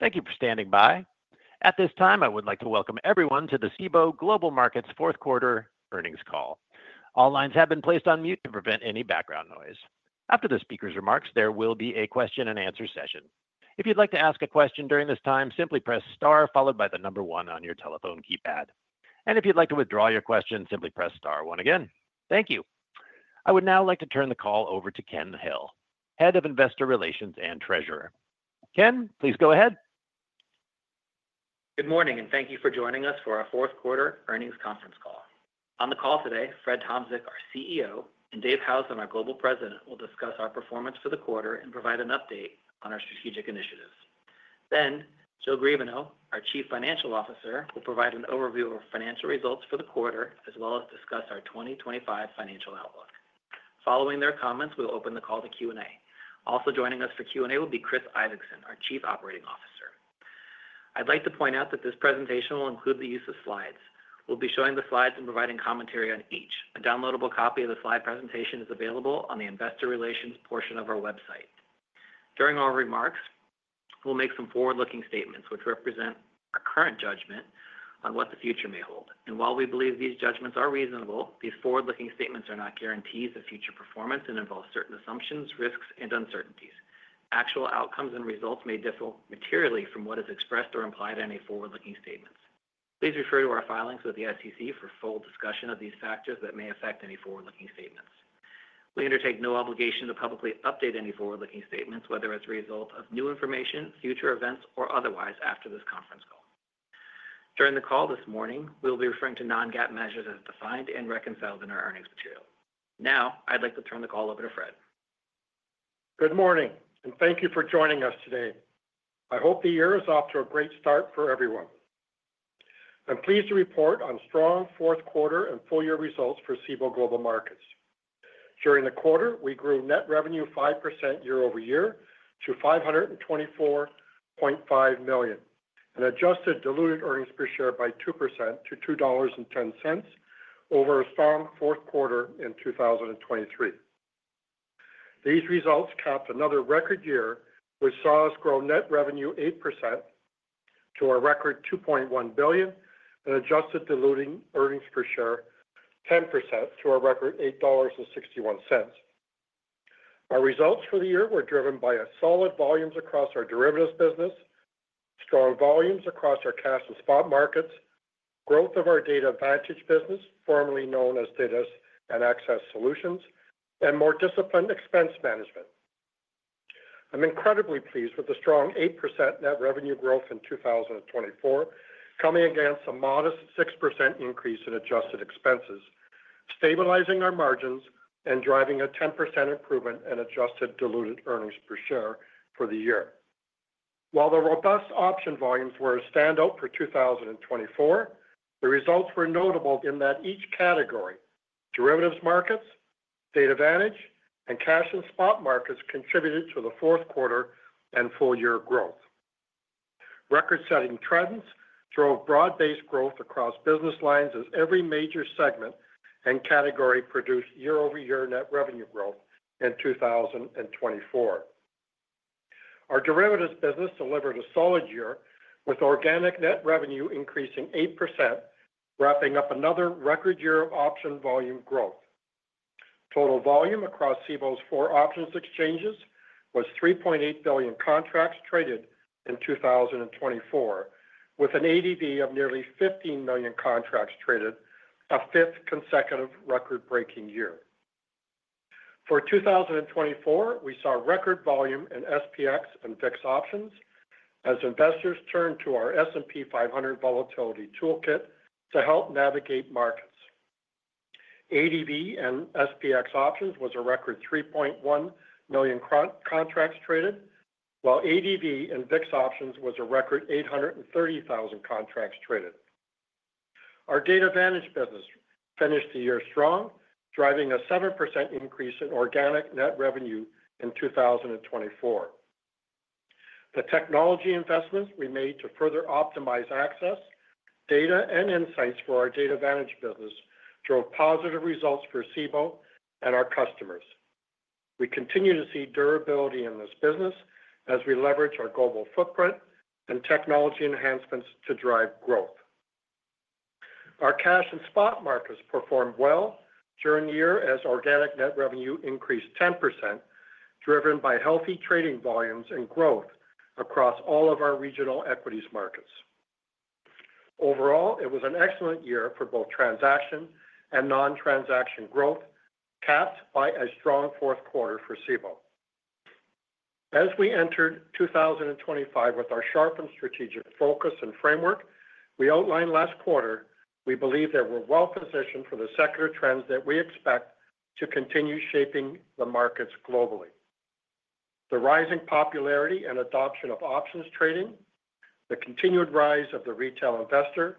Thank you for standing by. At this time, I would like to welcome everyone to the Cboe Global Markets Fourth Quarter earnings call. All lines have been placed on mute to prevent any background noise. After the speaker's remarks, there will be a question-and-answer session. If you'd like to ask a question during this time, simply press star followed by the number one on your telephone keypad. And if you'd like to withdraw your question, simply press star one again. Thank you. I would now like to turn the call over to Ken Hill, Head of Investor Relations and Treasurer. Ken, please go ahead. Good morning, and thank you for joining us for our Fourth Quarter earnings conference call. On the call today, Fred Tomczyk, our CEO, and Dave Howson, our Global President, will discuss our performance for the quarter and provide an update on our strategic initiatives. Then, Jill Griebenow, our Chief Financial Officer, will provide an overview of our financial results for the quarter, as well as discuss our 2025 financial outlook. Following their comments, we'll open the call to Q&A. Also joining us for Q&A will be Chris Isaacson, our Chief Operating Officer. I'd like to point out that this presentation will include the use of slides. We'll be showing the slides and providing commentary on each. A downloadable copy of the slide presentation is available on the Investor Relations portion of our website. During our remarks, we'll make some forward-looking statements, which represent our current judgment on what the future may hold, and while we believe these judgments are reasonable, these forward-looking statements are not guarantees of future performance and involve certain assumptions, risks, and uncertainties. Actual outcomes and results may differ materially from what is expressed or implied in any forward-looking statements. Please refer to our filings with the SEC for full discussion of these factors that may affect any forward-looking statements. We undertake no obligation to publicly update any forward-looking statements, whether as a result of new information, future events, or otherwise after this conference call. During the call this morning, we'll be referring to non-GAAP measures as defined and reconciled in our earnings material. Now, I'd like to turn the call over to Fred. Good morning, and thank you for joining us today. I hope the year is off to a great start for everyone. I'm pleased to report on strong fourth quarter and full-year results for Cboe Global Markets. During the quarter, we grew net revenue 5% year-over-year to $524.5 million and adjusted diluted earnings per share by 2% to $2.10 over a strong fourth quarter in 2023. These results capped another record year, which saw us grow net revenue 8% to our record $2.1 billion and adjusted diluted earnings per share 10% to our record $8.61. Our results for the year were driven by solid volumes across our derivatives business, strong volumes across our cash and spot markets, growth of our Data Vantage business, formerly known as Data and Access Solutions, and more disciplined expense management. I'm incredibly pleased with the strong 8% net revenue growth in 2024 coming against a modest 6% increase in adjusted expenses, stabilizing our margins and driving a 10% improvement in adjusted diluted earnings per share for the year. While the robust option volumes were a standout for 2024, the results were notable in that each category, derivatives markets, Data Vantage, and cash and spot markets, contributed to the fourth quarter and full-year growth. Record-setting trends drove broad-based growth across business lines as every major segment and category produced year-over-year net revenue growth in 2024. Our derivatives business delivered a solid year, with organic net revenue increasing 8%, wrapping up another record year of option volume growth. Total volume across Cboe's four options exchanges was 3.8 billion contracts traded in 2024, with an ADV of nearly 15 million contracts traded, a fifth consecutive record-breaking year. For 2024, we saw record volume in SPX and VIX options as investors turned to our S&P 500 Volatility Toolkit to help navigate markets. ADV in SPX options was a record 3.1 million contracts traded, while ADV in VIX options was a record 830,000 contracts traded. Our Data Vantage business finished the year strong, driving a 7% increase in organic net revenue in 2024. The technology investments we made to further optimize access, data, and insights for our Data Vantage business drove positive results for Cboe and our customers. We continue to see durability in this business as we leverage our global footprint and technology enhancements to drive growth. Our Cash and Spot markets performed well during the year as organic net revenue increased 10%, driven by healthy trading volumes and growth across all of our regional equities markets. Overall, it was an excellent year for both transaction and non-transaction growth, capped by a strong fourth quarter for Cboe. As we entered 2025 with our sharpened strategic focus and framework, we outlined last quarter. We believe that we're well positioned for the sector trends that we expect to continue shaping the markets globally. The rising popularity and adoption of options trading, the continued rise of the retail investor,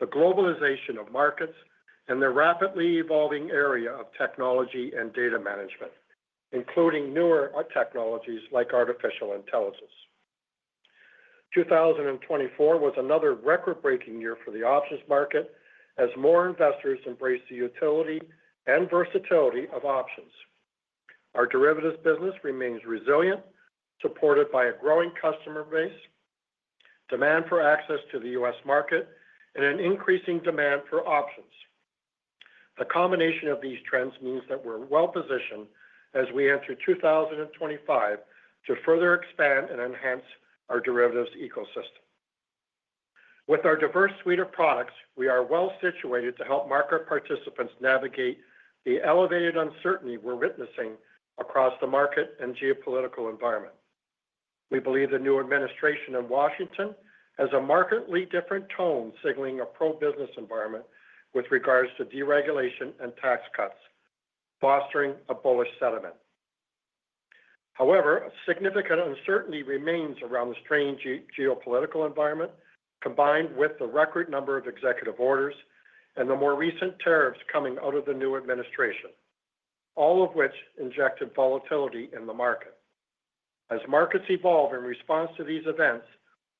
the globalization of markets, and the rapidly evolving area of technology and data management, including newer technologies like artificial intelligence. 2024 was another record-breaking year for the options market as more investors embraced the utility and versatility of options. Our derivatives business remains resilient, supported by a growing customer base, demand for access to the U.S. market, and an increasing demand for options. The combination of these trends means that we're well positioned as we enter 2025 to further expand and enhance our derivatives ecosystem. With our diverse suite of products, we are well situated to help market participants navigate the elevated uncertainty we're witnessing across the market and geopolitical environment. We believe the new administration in Washington has a markedly different tone signaling a pro-business environment with regards to deregulation and tax cuts, fostering a bullish sentiment. However, significant uncertainty remains around the strained geopolitical environment, combined with the record number of executive orders and the more recent tariffs coming out of the new administration, all of which injected volatility in the market. As markets evolve in response to these events,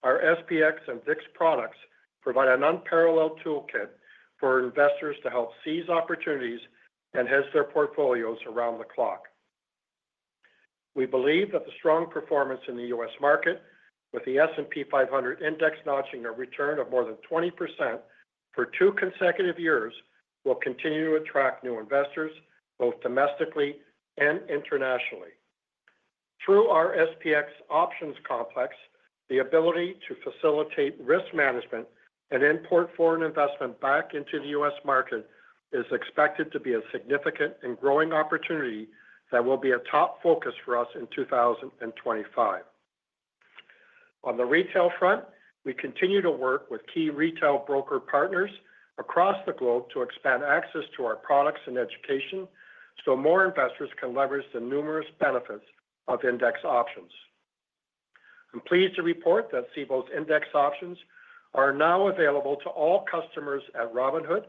our SPX and VIX products provide an unparalleled toolkit for investors to help seize opportunities and hedge their portfolios around the clock. We believe that the strong performance in the U.S. market, with the S&P 500 Index notching a return of more than 20% for two consecutive years, will continue to attract new investors both domestically and internationally. Through our SPX options complex, the ability to facilitate risk management and import foreign investment back into the U.S. market is expected to be a significant and growing opportunity that will be a top focus for us in 2025. On the retail front, we continue to work with key retail broker partners across the globe to expand access to our products and education so more investors can leverage the numerous benefits of index options. I'm pleased to report that Cboe's index options are now available to all customers at Robinhood,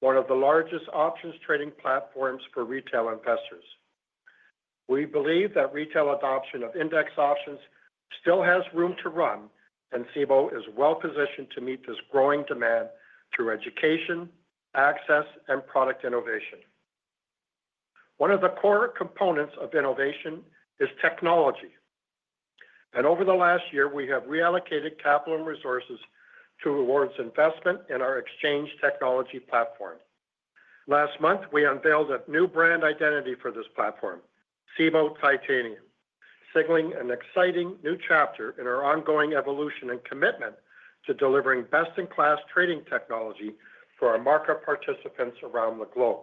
one of the largest options trading platforms for retail investors. We believe that retail adoption of index options still has room to run, and Cboe is well positioned to meet this growing demand through education, access, and product innovation. One of the core components of innovation is technology, and over the last year, we have reallocated capital and resources towards investment in our exchange technology platform. Last month, we unveiled a new brand identity for this platform, Cboe Titanium, signaling an exciting new chapter in our ongoing evolution and commitment to delivering best-in-class trading technology for our market participants around the globe.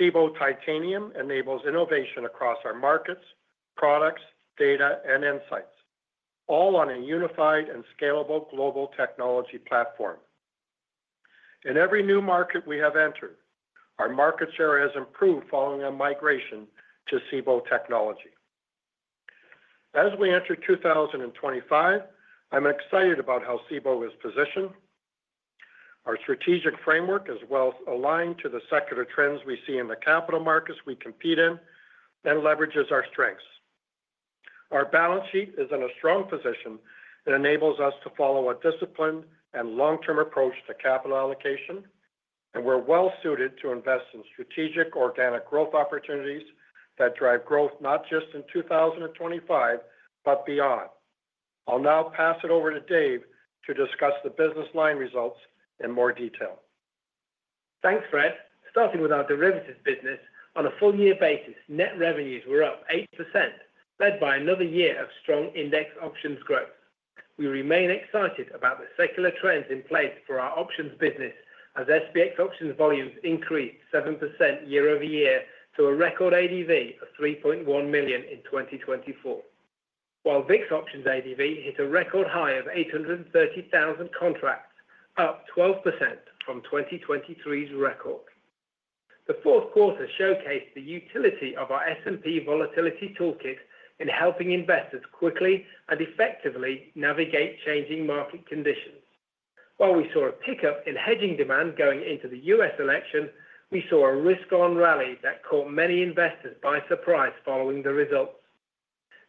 Cboe Titanium enables innovation across our markets, products, data, and insights, all on a unified and scalable global technology platform. In every new market we have entered, our market share has improved following a migration to Cboe Titanium. As we enter 2025, I'm excited about how Cboe is positioned. Our strategic framework is well aligned to the secular trends we see in the capital markets we compete in and leverages our strengths. Our balance sheet is in a strong position and enables us to follow a disciplined and long-term approach to capital allocation, and we're well suited to invest in strategic organic growth opportunities that drive growth not just in 2025 but beyond. I'll now pass it over to Dave to discuss the business line results in more detail. Thanks, Fred. Starting with our derivatives business, on a full-year basis, net revenues were up 8%, led by another year of strong index options growth. We remain excited about the secular trends in place for our options business as SPX options volumes increased 7% year over year to a record ADV of 3.1 million in 2024, while VIX options ADV hit a record high of 830,000 contracts, up 12% from 2023's record. The fourth quarter showcased the utility of our S&P Volatility Toolkit in helping investors quickly and effectively navigate changing market conditions. While we saw a pickup in hedging demand going into the U.S. election, we saw a risk-on rally that caught many investors by surprise following the results.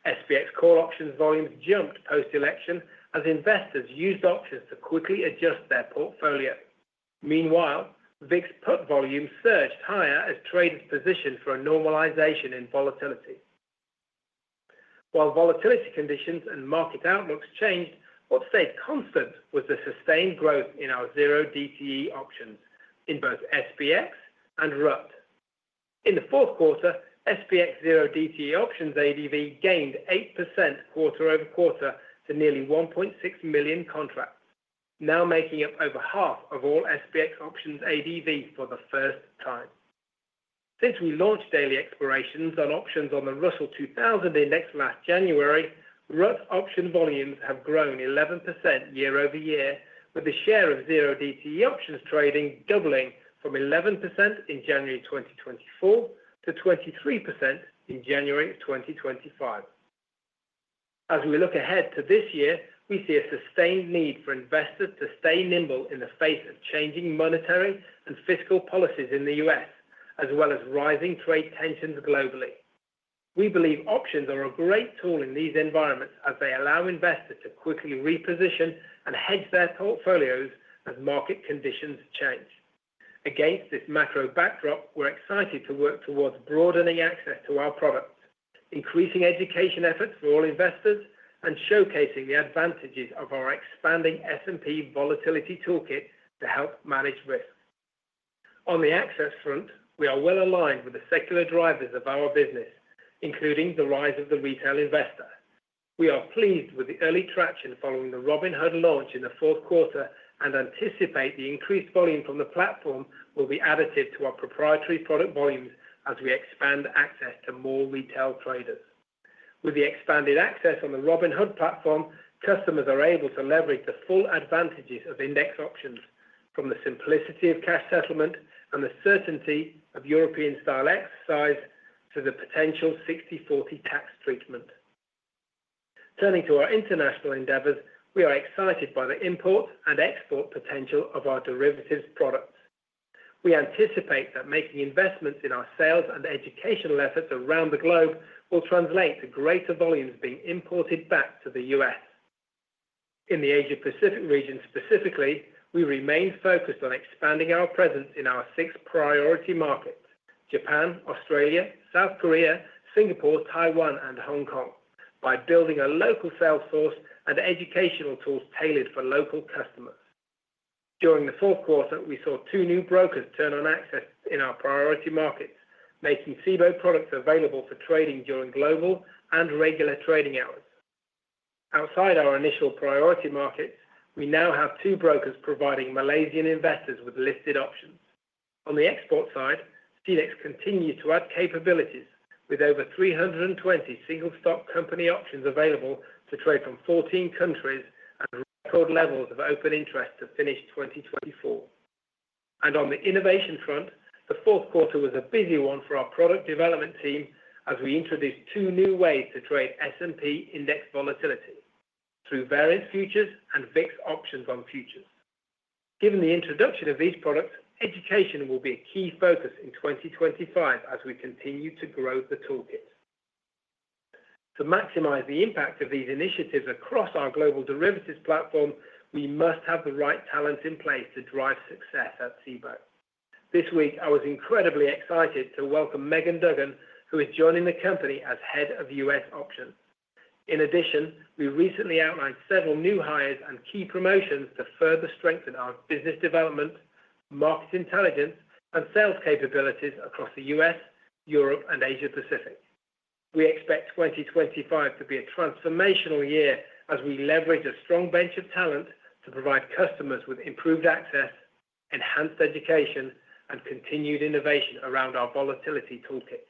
SPX call options volumes jumped post-election as investors used options to quickly adjust their portfolio. Meanwhile, VIX put volumes surged higher as traders positioned for a normalization in volatility. While volatility conditions and market outlooks changed, what stayed constant was the sustained growth in our zero DTE options in both SPX and RUT. In the fourth quarter, SPX zero DTE options ADV gained 8% quarter over quarter to nearly 1.6 million contracts, now making up over half of all SPX options ADV for the first time. Since we launched daily expirations on options on the Russell 2000 index last January, RUT options volumes have grown 11% year over year, with the share of zero DTE options trading doubling from 11% in January 2024 to 23% in January 2025. As we look ahead to this year, we see a sustained need for investors to stay nimble in the face of changing monetary and fiscal policies in the U.S., as well as rising trade tensions globally. We believe options are a great tool in these environments as they allow investors to quickly reposition and hedge their portfolios as market conditions change. Against this macro backdrop, we're excited to work towards broadening access to our products, increasing education efforts for all investors, and showcasing the advantages of our expanding S&P Volatility Toolkit to help manage risk. On the access front, we are well aligned with the secular drivers of our business, including the rise of the retail investor. We are pleased with the early traction following the Robinhood launch in the fourth quarter and anticipate the increased volume from the platform will be additive to our proprietary product volumes as we expand access to more retail traders. With the expanded access on the Robinhood platform, customers are able to leverage the full advantages of index options, from the simplicity of cash settlement and the certainty of European-style exercise to the potential 60/40 tax treatment. Turning to our international endeavors, we are excited by the import and export potential of our derivatives products. We anticipate that making investments in our sales and educational efforts around the globe will translate to greater volumes being imported back to the U.S. In the Asia-Pacific region specifically, we remain focused on expanding our presence in our six priority markets (Japan, Australia, South Korea, Singapore, Taiwan, and Hong Kong) by building a local sales force and educational tools tailored for local customers. During the fourth quarter, we saw two new brokers turn on access in our priority markets, making Cboe products available for trading during global and regular trading hours. Outside our initial priority markets, we now have two brokers providing Malaysian investors with listed options. On the export side, CEDX continues to add capabilities, with over 320 single-stock company options available to trade from 14 countries and record levels of open interest to finish 2024. And on the innovation front, the fourth quarter was a busy one for our product development team as we introduced two new ways to trade S&P index volatility: through various futures and VIX options on futures. Given the introduction of these products, education will be a key focus in 2025 as we continue to grow the toolkit. To maximize the impact of these initiatives across our global derivatives platform, we must have the right talents in place to drive success at Cboe. This week, I was incredibly excited to welcome Meaghan Dugan, who is joining the company as Head of U.S. Options. In addition, we recently outlined several new hires and key promotions to further strengthen our business development, market intelligence, and sales capabilities across the U.S., Europe, and Asia-Pacific. We expect 2025 to be a transformational year as we leverage a strong bench of talent to provide customers with improved access, enhanced education, and continued innovation around our volatility toolkit.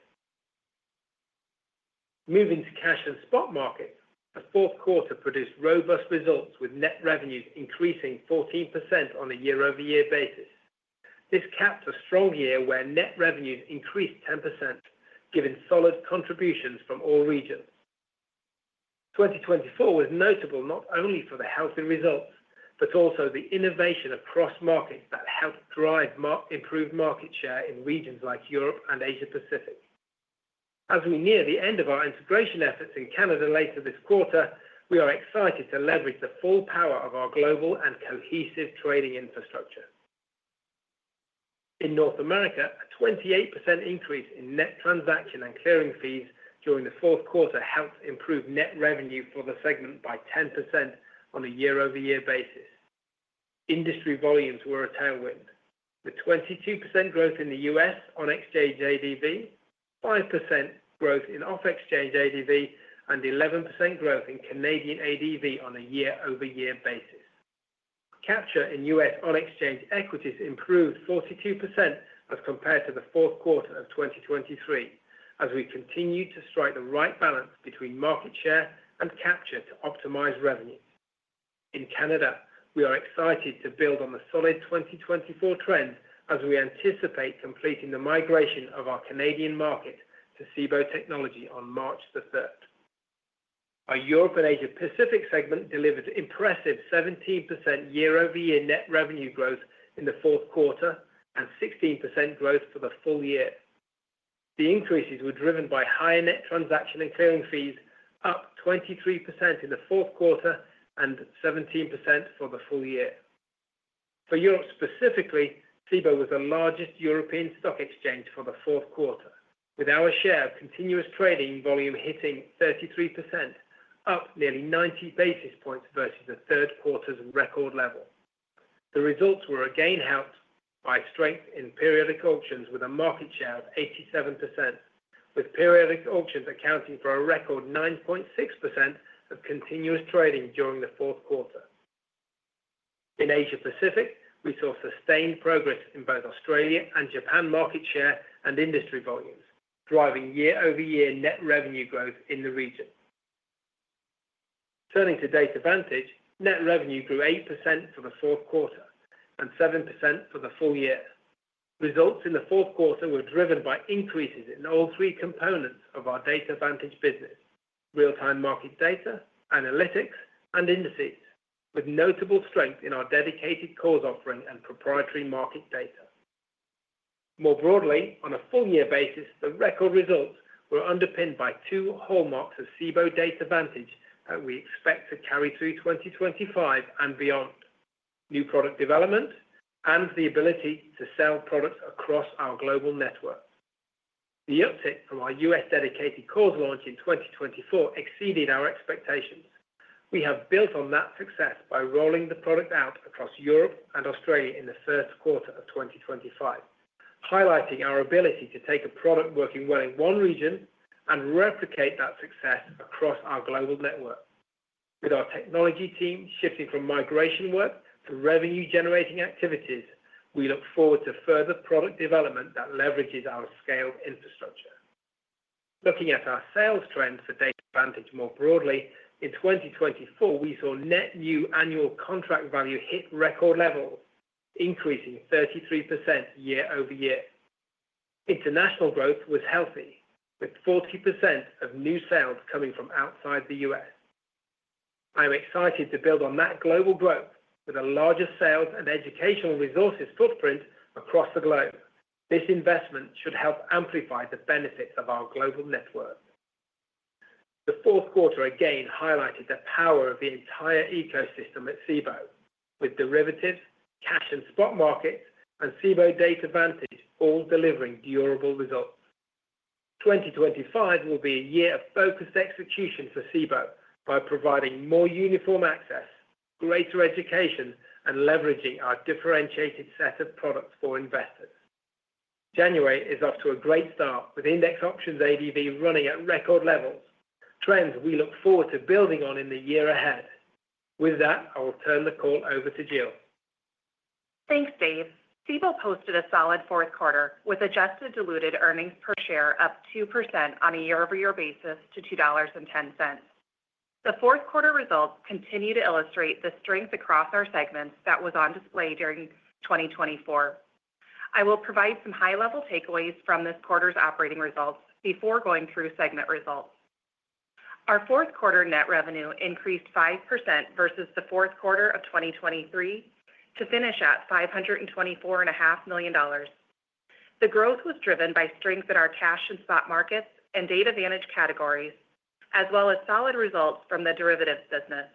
Moving to cash and spot markets, the fourth quarter produced robust results with net revenues increasing 14% on a year-over-year basis. This capped a strong year where net revenues increased 10%, giving solid contributions from all regions. 2024 was notable not only for the healthy results but also the innovation across markets that helped drive improved market share in regions like Europe and Asia-Pacific. As we near the end of our integration efforts in Canada later this quarter, we are excited to leverage the full power of our global and cohesive trading infrastructure. In North America, a 28% increase in net transaction and clearing fees during the fourth quarter helped improve net revenue for the segment by 10% on a year-over-year basis. Industry volumes were a tailwind, with 22% growth in the U.S. on exchange ADV, 5% growth in off-exchange ADV, and 11% growth in Canadian ADV on a year-over-year basis. Capture in U.S. on-exchange equities improved 42% as compared to the fourth quarter of 2023, as we continue to strike the right balance between market share and capture to optimize revenue. In Canada, we are excited to build on the solid 2024 trend as we anticipate completing the migration of our Canadian market to Cboe technology on March the 3rd. Our Europe and Asia-Pacific segment delivered impressive 17% year-over-year net revenue growth in the fourth quarter and 16% growth for the full year. The increases were driven by higher net transaction and clearing fees, up 23% in the fourth quarter and 17% for the full year. For Europe specifically, Cboe was the largest European stock exchange for the fourth quarter, with our share of continuous trading volume hitting 33%, up nearly 90 basis points versus the third quarter's record level. The results were again helped by strength in periodic auctions with a market share of 87%, with periodic auctions accounting for a record 9.6% of continuous trading during the fourth quarter. In Asia-Pacific, we saw sustained progress in both Australia and Japan market share and industry volumes, driving year-over-year net revenue growth in the region. Turning to Data Vantage, net revenue grew 8% for the fourth quarter and 7% for the full year. Results in the fourth quarter were driven by increases in all three components of our Data Vantage business: real-time market data, analytics, and indices, with notable strength in our Dedicated Cores offering and proprietary market data. More broadly, on a full-year basis, the record results were underpinned by two hallmarks of Cboe Data Vantage that we expect to carry through 2025 and beyond: new product development and the ability to sell products across our global network. The uptick from our U.S. Dedicated Cores launch in 2024 exceeded our expectations. We have built on that success by rolling the product out across Europe and Australia in the first quarter of 2025, highlighting our ability to take a product working well in one region and replicate that success across our global network. With our technology team shifting from migration work to revenue-generating activities, we look forward to further product development that leverages our scaled infrastructure. Looking at our sales trends for Data Vantage more broadly, in 2024 we saw net new annual contract value hit record levels, increasing 33% year-over-year. International growth was healthy, with 40% of new sales coming from outside the U.S. I am excited to build on that global growth with a larger sales and educational resources footprint across the globe. This investment should help amplify the benefits of our global network. The fourth quarter again highlighted the power of the entire ecosystem at Cboe, with derivatives, cash and spot markets, and Cboe Data Vantage all delivering durable results. 2025 will be a year of focused execution for Cboe by providing more uniform access, greater education, and leveraging our differentiated set of products for investors. January is off to a great start with index options ADV running at record levels, trends we look forward to building on in the year ahead. With that, I will turn the call over to Jill. Thanks, Dave. Cboe posted a solid fourth quarter with adjusted diluted earnings per share up 2% on a year-over-year basis to $2.10. The fourth quarter results continue to illustrate the strength across our segments that was on display during 2024. I will provide some high-level takeaways from this quarter's operating results before going through segment results. Our fourth quarter net revenue increased 5% versus the fourth quarter of 2023 to finish at $524.5 million. The growth was driven by strength in our Cash and Spot Markets and Data Vantage categories, as well as solid results from the derivatives business.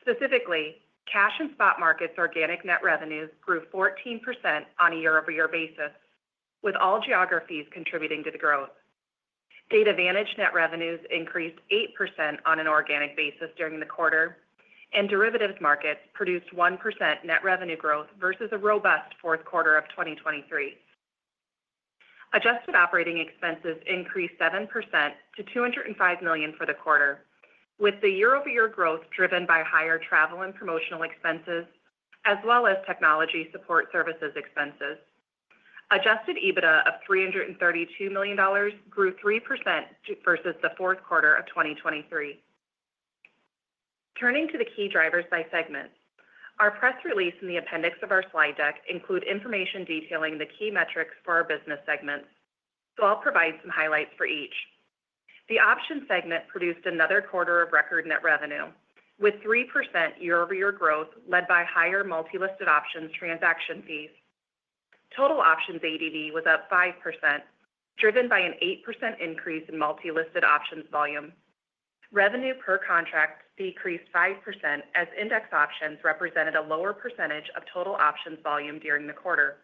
Specifically, Cash and Spot Markets' organic net revenues grew 14% on a year-over-year basis, with all geographies contributing to the growth. Data Vantage net revenues increased 8% on an organic basis during the quarter, and derivatives markets produced 1% net revenue growth versus a robust fourth quarter of 2023. Adjusted operating expenses increased 7% to $205 million for the quarter, with the year-over-year growth driven by higher travel and promotional expenses, as well as technology support services expenses. Adjusted EBITDA of $332 million grew 3% versus the fourth quarter of 2023. Turning to the key drivers by segments, our press release and the appendix of our slide deck include information detailing the key metrics for our business segments. So I'll provide some highlights for each. The options segment produced another quarter of record net revenue, with 3% year-over-year growth led by higher multi-listed options transaction fees. Total options ADV was up 5%, driven by an 8% increase in multi-listed options volume. Revenue per contract decreased 5% as index options represented a lower percentage of total options volume during the quarter.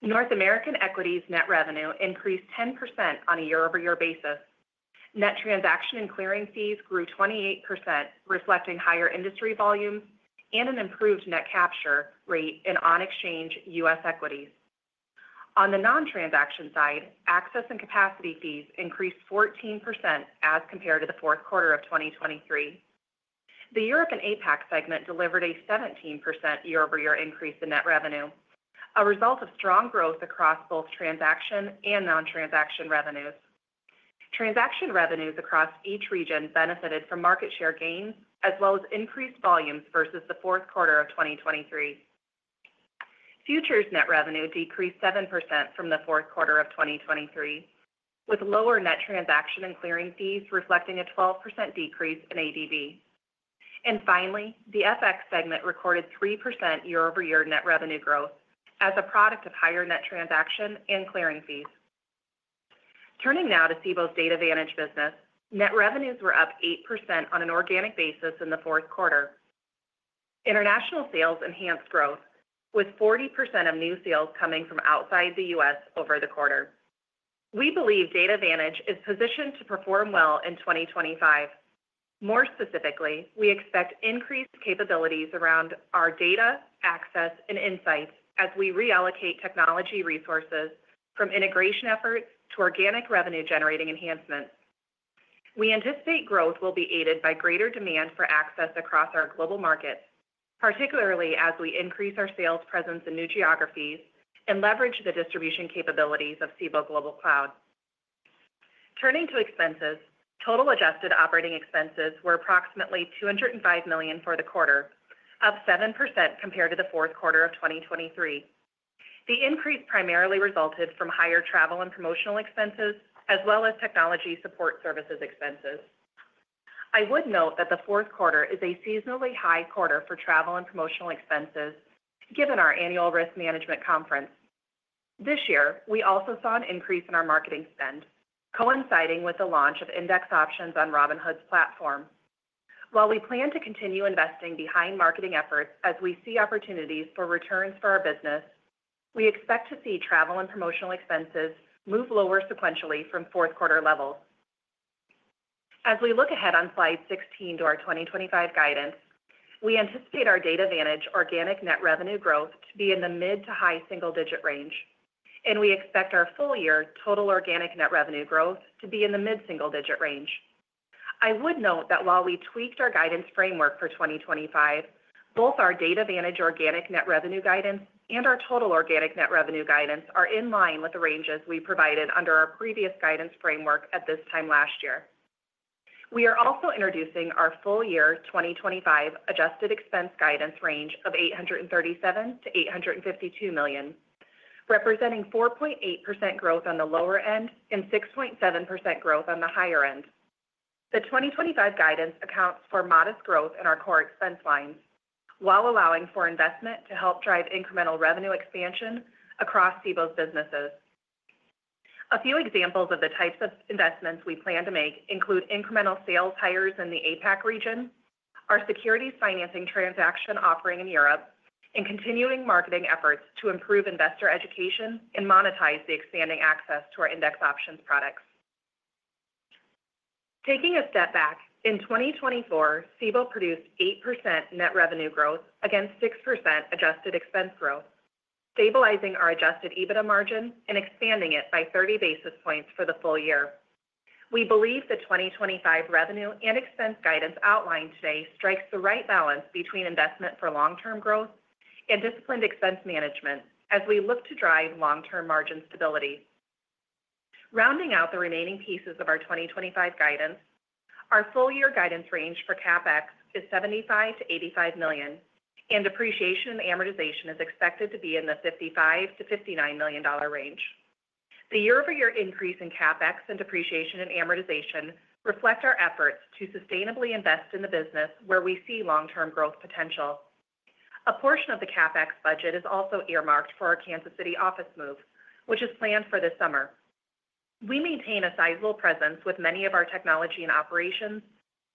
North American equities net revenue increased 10% on a year-over-year basis. Net transaction and clearing fees grew 28%, reflecting higher industry volumes and an improved net capture rate in on-exchange U.S. equities. On the non-transaction side, access and capacity fees increased 14% as compared to the fourth quarter of 2023. The Europe and APAC segment delivered a 17% year-over-year increase in net revenue, a result of strong growth across both transaction and non-transaction revenues. Transaction revenues across each region benefited from market share gains as well as increased volumes versus the fourth quarter of 2023. Futures net revenue decreased 7% from the fourth quarter of 2023, with lower net transaction and clearing fees reflecting a 12% decrease in ADV. And finally, the FX segment recorded 3% year-over-year net revenue growth as a product of higher net transaction and clearing fees. Turning now to Cboe's Data Vantage business, net revenues were up 8% on an organic basis in the fourth quarter. International sales enhanced growth, with 40% of new sales coming from outside the U.S. over the quarter. We believe Data Vantage is positioned to perform well in 2025. More specifically, we expect increased capabilities around our data, access, and insights as we reallocate technology resources from integration efforts to organic revenue-generating enhancements. We anticipate growth will be aided by greater demand for access across our global markets, particularly as we increase our sales presence in new geographies and leverage the distribution capabilities of Cboe Global Cloud. Turning to expenses, total adjusted operating expenses were approximately $205 million for the quarter, up 7% compared to the fourth quarter of 2023. The increase primarily resulted from higher travel and promotional expenses as well as technology support services expenses. I would note that the fourth quarter is a seasonally high quarter for travel and promotional expenses, given our annual risk management conference. This year, we also saw an increase in our marketing spend, coinciding with the launch of index options on Robinhood's platform. While we plan to continue investing behind marketing efforts as we see opportunities for returns for our business, we expect to see travel and promotional expenses move lower sequentially from fourth quarter levels. As we look ahead on slide 16 to our 2025 guidance, we anticipate our Data Vantage organic net revenue growth to be in the mid to high single-digit range, and we expect our full-year total organic net revenue growth to be in the mid-single-digit range. I would note that while we tweaked our guidance framework for 2025, both our Data Vantage organic net revenue guidance and our total organic net revenue guidance are in line with the ranges we provided under our previous guidance framework at this time last year. We are also introducing our full-year 2025 adjusted expense guidance range of $837-$852 million, representing 4.8% growth on the lower end and 6.7% growth on the higher end. The 2025 guidance accounts for modest growth in our core expense lines while allowing for investment to help drive incremental revenue expansion across Cboe's businesses. A few examples of the types of investments we plan to make include incremental sales hires in the APAC region, our securities financing transaction offering in Europe, and continuing marketing efforts to improve investor education and monetize the expanding access to our index options products. Taking a step back, in 2024, Cboe produced 8% net revenue growth against 6% adjusted expense growth, stabilizing our adjusted EBITDA margin and expanding it by 30 basis points for the full year. We believe the 2025 revenue and expense guidance outlined today strikes the right balance between investment for long-term growth and disciplined expense management as we look to drive long-term margin stability. Rounding out the remaining pieces of our 2025 guidance, our full-year guidance range for CapEx is $75-$85 million, and depreciation and amortization is expected to be in the $55-$59 million range. The year-over-year increase in CapEx and depreciation and amortization reflects our efforts to sustainably invest in the business where we see long-term growth potential. A portion of the CapEx budget is also earmarked for our Kansas City office move, which is planned for this summer. We maintain a sizable presence with many of our technology and operations,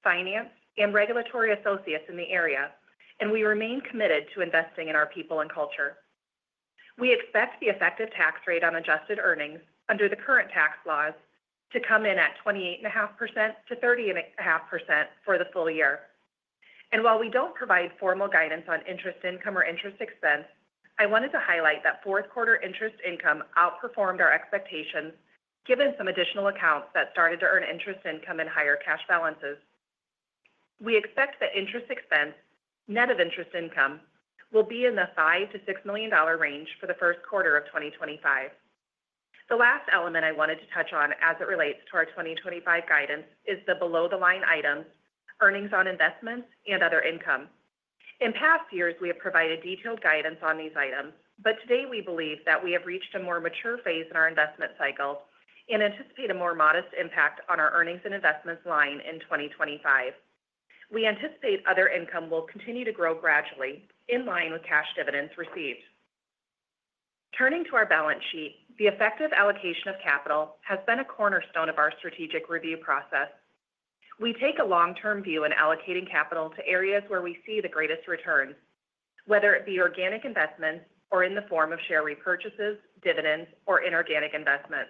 finance, and regulatory associates in the area, and we remain committed to investing in our people and culture. We expect the effective tax rate on adjusted earnings under the current tax laws to come in at 28.5%-30.5% for the full year. While we don't provide formal guidance on interest income or interest expense, I wanted to highlight that fourth quarter interest income outperformed our expectations given some additional accounts that started to earn interest income in higher cash balances. We expect that interest expense, net of interest income, will be in the $5-$6 million range for the first quarter of 2025. The last element I wanted to touch on as it relates to our 2025 guidance is the below-the-line items, earnings on investments and other income. In past years, we have provided detailed guidance on these items, but today we believe that we have reached a more mature phase in our investment cycle and anticipate a more modest impact on our earnings and investments line in 2025. We anticipate other income will continue to grow gradually in line with cash dividends received. Turning to our balance sheet, the effective allocation of capital has been a cornerstone of our strategic review process. We take a long-term view in allocating capital to areas where we see the greatest returns, whether it be organic investments or in the form of share repurchases, dividends, or inorganic investments.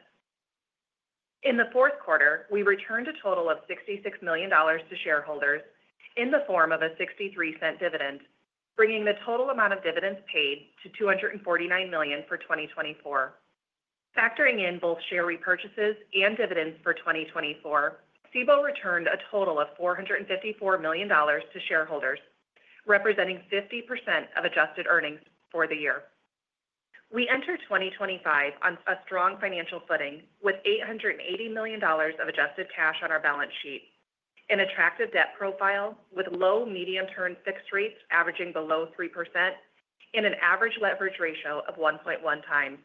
In the fourth quarter, we returned a total of $66 million to shareholders in the form of a $0.63 dividend, bringing the total amount of dividends paid to $249 million for 2024. Factoring in both share repurchases and dividends for 2024, Cboe returned a total of $454 million to shareholders, representing 50% of adjusted earnings for the year. We enter 2025 on a strong financial footing with $880 million of adjusted cash on our balance sheet, an attractive debt profile with low-medium-term fixed rates averaging below 3% and an average leverage ratio of 1.1 times.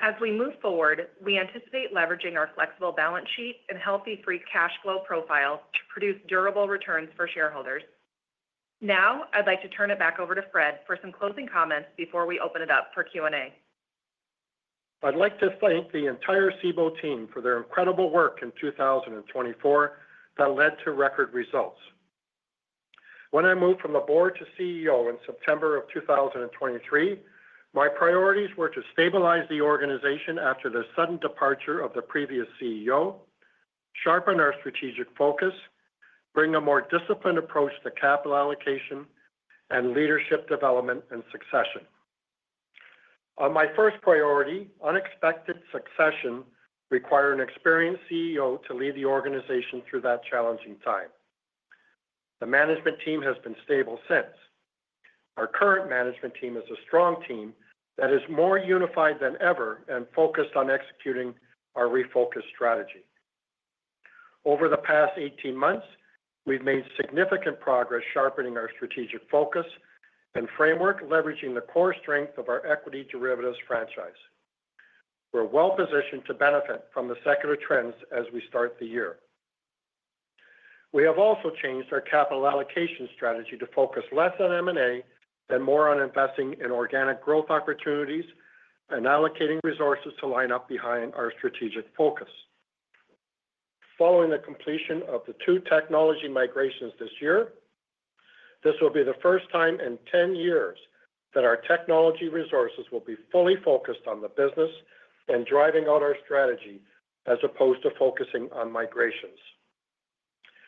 As we move forward, we anticipate leveraging our flexible balance sheet and healthy free cash flow profile to produce durable returns for shareholders. Now, I'd like to turn it back over to Fred for some closing comments before we open it up for Q&A. I'd like to thank the entire Cboe team for their incredible work in 2024 that led to record results. When I moved from the board to CEO in September of 2023, my priorities were to stabilize the organization after the sudden departure of the previous CEO, sharpen our strategic focus, bring a more disciplined approach to capital allocation, and leadership development and succession. On my first priority, unexpected succession required an experienced CEO to lead the organization through that challenging time. The management team has been stable since. Our current management team is a strong team that is more unified than ever and focused on executing our refocused strategy. Over the past 18 months, we've made significant progress sharpening our strategic focus and framework, leveraging the core strength of our equity derivatives franchise. We're well positioned to benefit from the secular trends as we start the year. We have also changed our capital allocation strategy to focus less on M&A and more on investing in organic growth opportunities and allocating resources to line up behind our strategic focus. Following the completion of the two technology migrations this year, this will be the first time in 10 years that our technology resources will be fully focused on the business and driving out our strategy as opposed to focusing on migrations.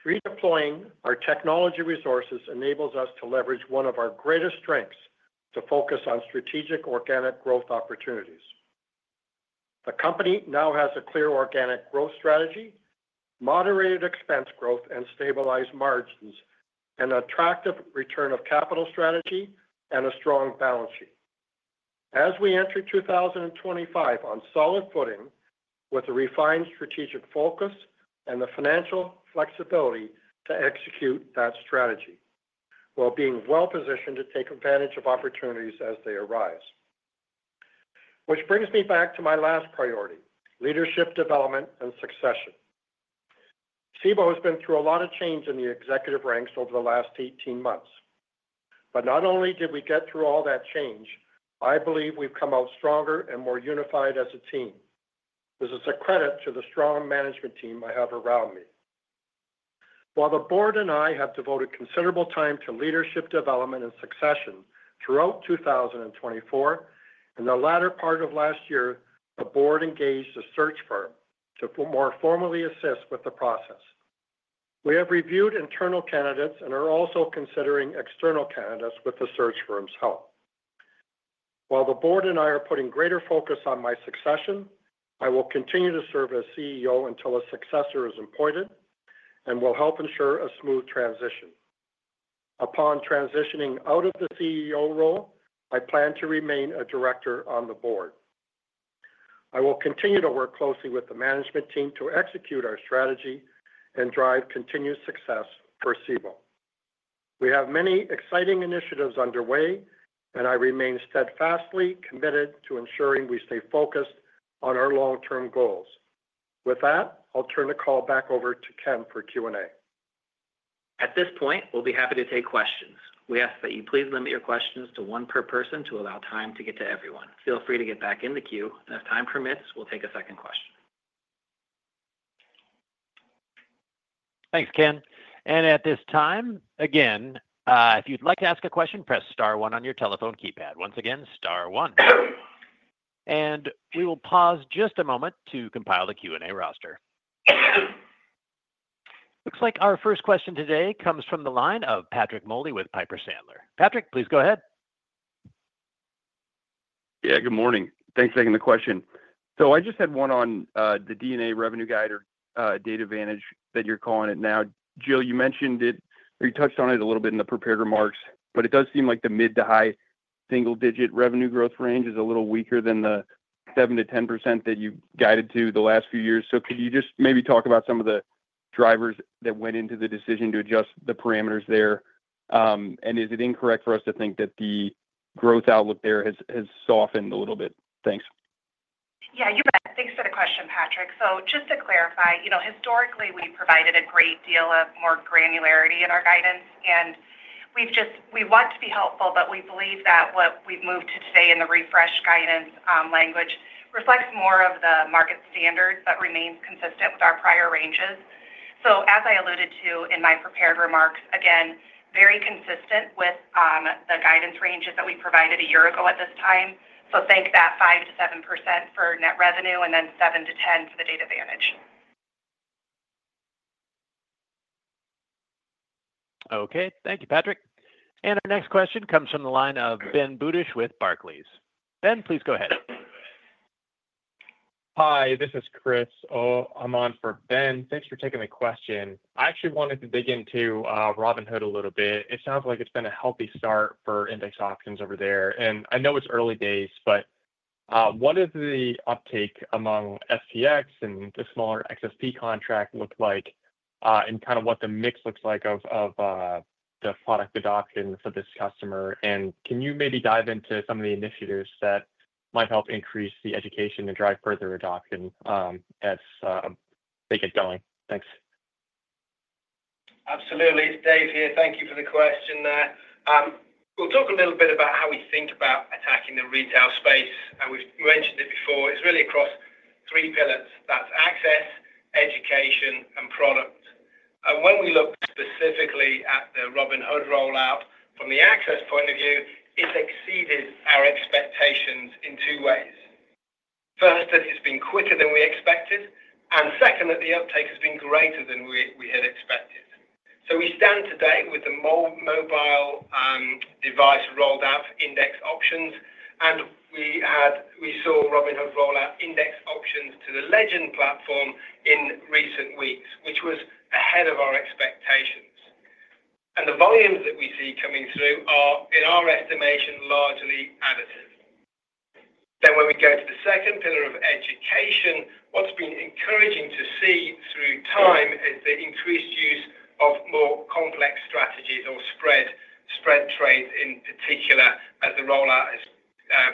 Redeploying our technology resources enables us to leverage one of our greatest strengths to focus on strategic organic growth opportunities. The company now has a clear organic growth strategy, moderated expense growth and stabilized margins, an attractive return of capital strategy, and a strong balance sheet. As we enter 2025 on solid footing with a refined strategic focus and the financial flexibility to execute that strategy, while being well positioned to take advantage of opportunities as they arise. Which brings me back to my last priority, leadership development and succession. Cboe has been through a lot of change in the executive ranks over the last 18 months. But not only did we get through all that change, I believe we've come out stronger and more unified as a team. This is a credit to the strong management team I have around me. While the board and I have devoted considerable time to leadership development and succession throughout 2024, in the latter part of last year, the board engaged a search firm to more formally assist with the process. We have reviewed internal candidates and are also considering external candidates with the search firm's help. While the board and I are putting greater focus on my succession, I will continue to serve as CEO until a successor is appointed and will help ensure a smooth transition. Upon transitioning out of the CEO role, I plan to remain a director on the board. I will continue to work closely with the management team to execute our strategy and drive continued success for Cboe. We have many exciting initiatives underway, and I remain steadfastly committed to ensuring we stay focused on our long-term goals. With that, I'll turn the call back over to Ken for Q&A. At this point, we'll be happy to take questions. We ask that you please limit your questions to one per person to allow time to get to everyone. Feel free to get back in the queue. And if time permits, we'll take a second question. Thanks, Ken, and at this time, again, if you'd like to ask a question, press star one on your telephone keypad. Once again, star one, and we will pause just a moment to compile the Q&A roster. Looks like our first question today comes from the line of Patrick Moley with Piper Sandler. Patrick, please go ahead. Yeah, good morning. Thanks for taking the question. So I just had one on the DNAS revenue guide, or Data Vantage that you're calling it now. Jill, you mentioned it, or you touched on it a little bit in the prepared remarks, but it does seem like the mid to high single-digit revenue growth range is a little weaker than the 7%-10% that you guided to the last few years. So could you just maybe talk about some of the drivers that went into the decision to adjust the parameters there? And is it incorrect for us to think that the growth outlook there has softened a little bit? Thanks. Yeah, you bet. Thanks for the question, Patrick. So just to clarify, historically, we've provided a great deal of more granularity in our guidance. And we want to be helpful, but we believe that what we've moved to today in the refreshed guidance language reflects more of the market standard but remains consistent with our prior ranges. So as I alluded to in my prepared remarks, again, very consistent with the guidance ranges that we provided a year ago at this time. So think that 5%-7% for net revenue and then 7%-10% for the Data Vantage. Okay. Thank you, Patrick. And our next question comes from the line of Ben Budish with Barclays. Ben, please go ahead. Hi, this is Chris. I'm on for Ben. Thanks for taking the question. I actually wanted to dig into Robinhood a little bit. It sounds like it's been a healthy start for index options over there. And I know it's early days, but what does the uptake among SPX and the smaller XSP contract look like and kind of what the mix looks like of the product adoption for this customer? And can you maybe dive into some of the initiatives that might help increase the education and drive further adoption as they get going? Thanks. Absolutely. Dave here. Thank you for the question there. We'll talk a little bit about how we think about attacking the retail space. And we've mentioned it before. It's really across three pillars. That's access, education, and product. And when we look specifically at the Robinhood rollout from the access point of view, it's exceeded our expectations in two ways. First, that it's been quicker than we expected. And second, that the uptake has been greater than we had expected. So we stand today with the mobile device rolled out index options. And we saw Robinhood roll out index options to the client platform in recent weeks, which was ahead of our expectations. And the volumes that we see coming through are, in our estimation, largely additive. Then when we go to the second pillar of education, what's been encouraging to see through time is the increased use of more complex strategies or spread trades in particular as the rollout has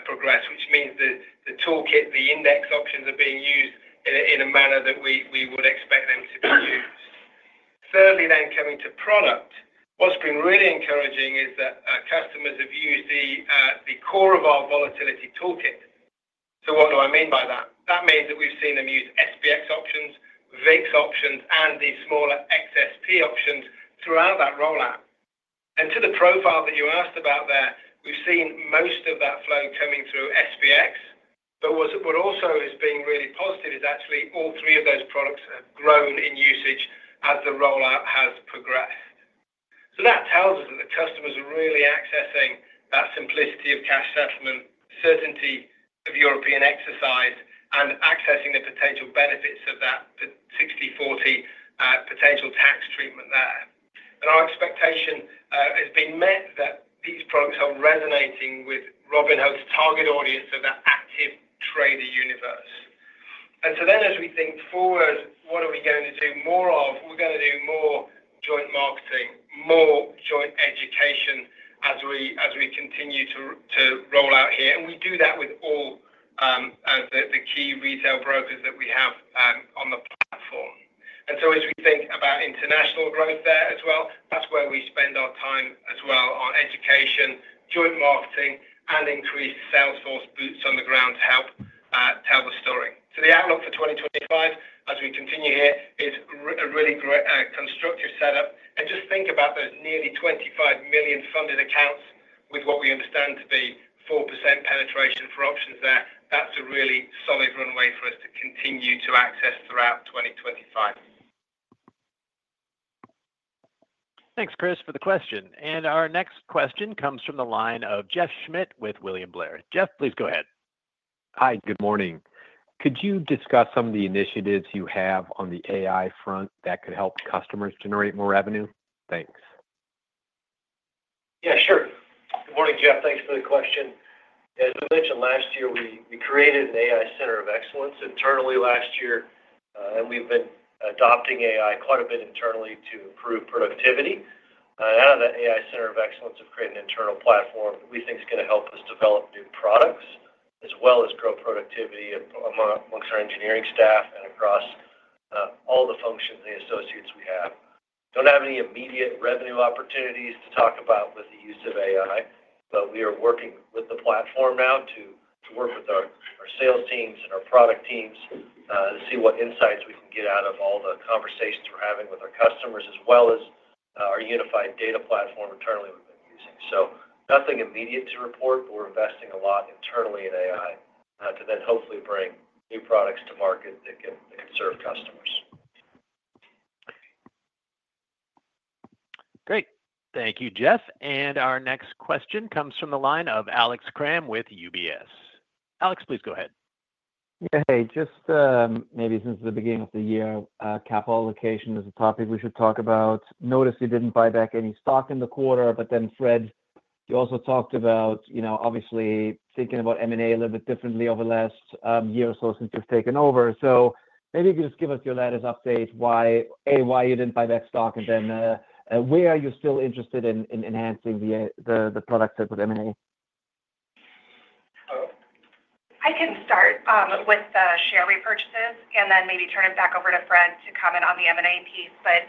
progressed, which means the toolkit, the index options are being used in a manner that we would expect them to be used. Thirdly, then coming to product, what's been really encouraging is that customers have used the core of our volatility toolkit. So what do I mean by that? That means that we've seen them use SPX options, VIX options, and the smaller XSP options throughout that rollout. And to the profile that you asked about there, we've seen most of that flow coming through SPX. But what also has been really positive is actually all three of those products have grown in usage as the rollout has progressed. So that tells us that the customers are really accessing that simplicity of cash settlement, certainty of European exercise, and accessing the potential benefits of that 60/40 potential tax treatment there. And our expectation has been met that these products are resonating with Robinhood's target audience of that active trader universe. And so then as we think forward, what are we going to do more of? We're going to do more joint marketing, more joint education as we continue to roll out here. And we do that with all the key retail brokers that we have on the platform. And so as we think about international growth there as well, that's where we spend our time as well on education, joint marketing, and increased sales force boots on the ground to help tell the story. So the outlook for 2025, as we continue here, is a really constructive setup. Just think about those nearly 25 million funded accounts with what we understand to be 4% penetration for options there. That's a really solid runway for us to continue to access throughout 2025. Thanks, Chris, for the question. And our next question comes from the line of Jeff Schmitt with William Blair. Jeff, please go ahead. Hi, good morning. Could you discuss some of the initiatives you have on the AI front that could help customers generate more revenue? Thanks. Yeah, sure. Good morning, Jeff. Thanks for the question. As we mentioned last year, we created an AI center of excellence internally last year, and we've been adopting AI quite a bit internally to improve productivity. Out of that AI center of excellence, we've created an internal platform that we think is going to help us develop new products as well as grow productivity amongst our engineering staff and across all the functions and the associates we have. Don't have any immediate revenue opportunities to talk about with the use of AI, but we are working with the platform now to work with our sales teams and our product teams to see what insights we can get out of all the conversations we're having with our customers as well as our unified data platform internally we've been using. So nothing immediate to report, but we're investing a lot internally in AI to then hopefully bring new products to market that can serve customers. Great. Thank you, Jeff. And our next question comes from the line of Alex Kramm with UBS. Alex, please go ahead. Yeah, hey. Just maybe since the beginning of the year, capital allocation is a topic we should talk about. Notice you didn't buy back any stock in the quarter. But then Fred, you also talked about obviously thinking about M&A a little bit differently over the last year or so since you've taken over. So maybe you could just give us your latest update, A, why you didn't buy back stock, and then where are you still interested in enhancing the product set with M&A? I can start with the share repurchases and then maybe turn it back over to Fred to comment on the M&A piece. But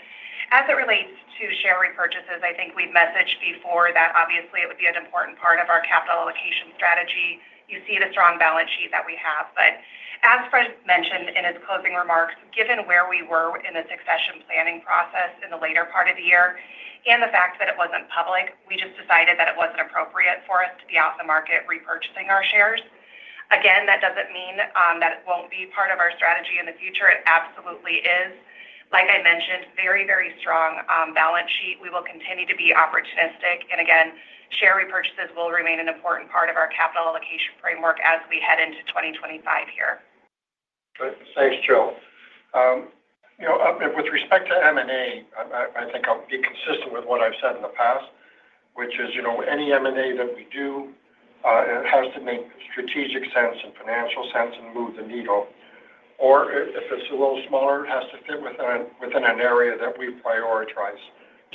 as it relates to share repurchases, I think we've messaged before that obviously it would be an important part of our capital allocation strategy. You see the strong balance sheet that we have. But as Fred mentioned in his closing remarks, given where we were in the succession planning process in the later part of the year and the fact that it wasn't public, we just decided that it wasn't appropriate for us to be off the market repurchasing our shares. Again, that doesn't mean that it won't be part of our strategy in the future. It absolutely is. Like I mentioned, very, very strong balance sheet. We will continue to be opportunistic. Again, share repurchases will remain an important part of our capital allocation framework as we head into 2025 here. Thanks, Jill. With respect to M&A, I think I'll be consistent with what I've said in the past, which is any M&A that we do, it has to make strategic sense and financial sense and move the needle. Or if it's a little smaller, it has to fit within an area that we prioritize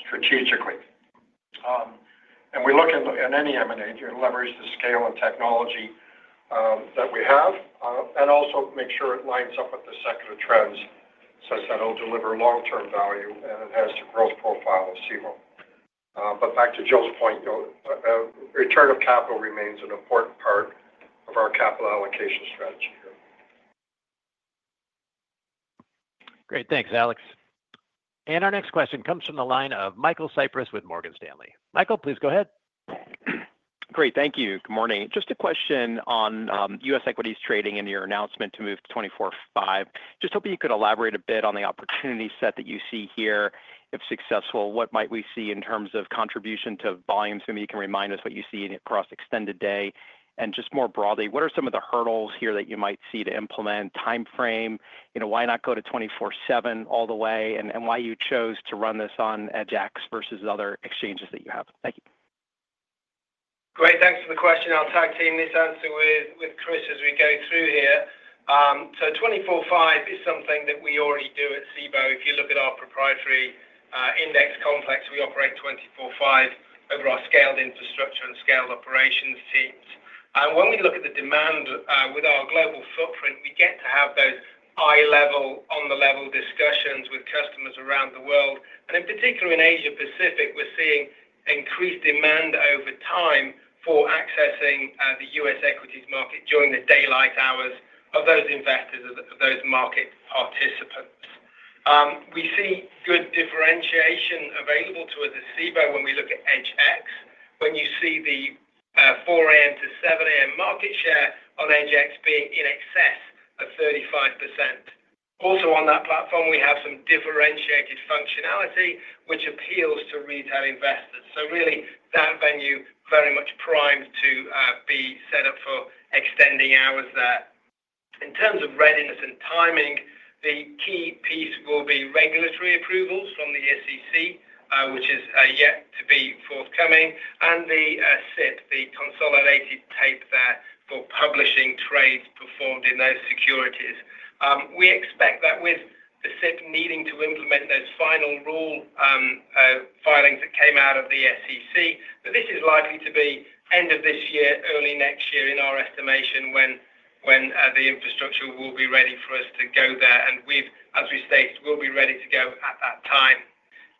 strategically. And we look in any M&A to leverage the scale and technology that we have and also make sure it lines up with the sector trends such that it'll deliver long-term value and enhance the growth profile of Cboe. But back to Jill's point, return of capital remains an important part of our capital allocation strategy here. Great. Thanks, Alex. And our next question comes from the line of Michael Cyprys with Morgan Stanley. Michael, please go ahead. Great. Thank you. Good morning. Just a question on U.S. equities trading and your announcement to move to 24/5. Just hoping you could elaborate a bit on the opportunity set that you see here. If successful, what might we see in terms of contribution to volumes? Maybe you can remind us what you see across extended day. And just more broadly, what are some of the hurdles here that you might see to implement? Timeframe? Why not go to 24/7 all the way? And why you chose to run this on EDGX versus other exchanges that you have? Thank you. Great. Thanks for the question. I'll tag team this answer with Chris as we go through here. So 24/5 is something that we already do at Cboe. If you look at our proprietary index complex, we operate 24/5 over our scaled infrastructure and scaled operations teams. And when we look at the demand with our global footprint, we get to have those eye-level, on-the-level discussions with customers around the world. And in particular, in Asia-Pacific, we're seeing increased demand over time for accessing the U.S. equities market during the daylight hours of those investors, of those market participants. We see good differentiation available to us at Cboe when we look at EDGX, when you see the 4:00 A.M.-7:00 A.M. market share on EDGX being in excess of 35%. Also on that platform, we have some differentiated functionality which appeals to retail investors. So really, that venue very much primed to be set up for extending hours there. In terms of readiness and timing, the key piece will be regulatory approvals from the SEC, which is yet to be forthcoming, and the SFP, the consolidated tape there for publishing trades performed in those securities. We expect that with the SIP needing to implement those final rule filings that came out of the SEC, that this is likely to be end of this year, early next year in our estimation when the infrastructure will be ready for us to go there. And as we stated, we'll be ready to go at that time.